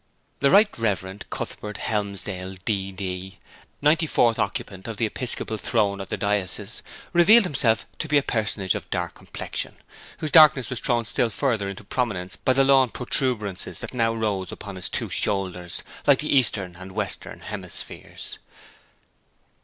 The Right Reverend Cuthbert Helmsdale, D.D., ninety fourth occupant of the episcopal throne of the diocese, revealed himself to be a personage of dark complexion, whose darkness was thrown still further into prominence by the lawn protuberances that now rose upon his two shoulders like the Eastern and Western hemispheres.